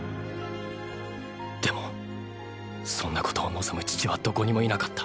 でもそんなことを望む父はどこにもいなかった。